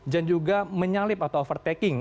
dan juga menyalip atau overtaking